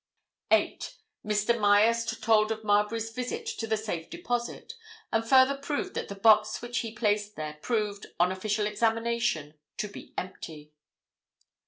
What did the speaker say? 8. Mr. Myerst told of Marbury's visit to the Safe Deposit, and further proved that the box which he placed there proved, on official examination, to be empty.